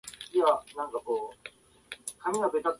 トロッコ